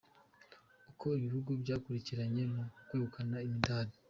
Uko ibihugu byakurikiranye mu kwegukana imidari